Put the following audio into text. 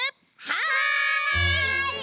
はい！